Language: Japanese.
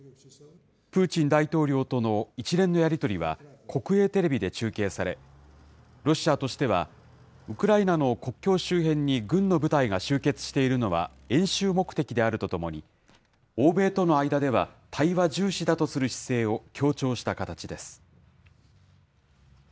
プーチン大統領との一連のやり取りは、国営テレビで中継され、ロシアとしては、ウクライナの国境周辺に軍の部隊が集結しているのは、演習目的であるとともに、欧米との間では対話重視だとする姿勢を強調した形です。